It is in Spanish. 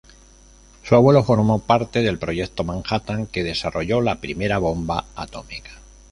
Su abuelo formó parte del Proyecto Manhattan, que desarrolló la primera bomba atómica.